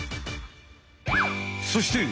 そして。